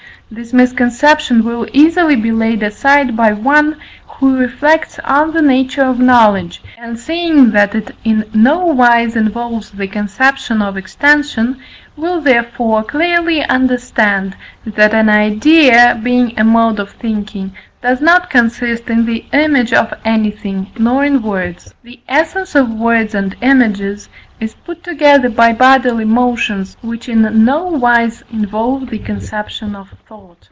This misconception will easily be laid aside by one, who reflects on the nature of knowledge, and seeing that it in no wise involves the conception of extension, will therefore clearly understand, that an idea (being a mode of thinking) does not consist in the image of anything, nor in words. The essence of words and images is put together by bodily motions, which in no wise involve the conception of thought.